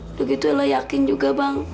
udah gitu lo yakin juga bang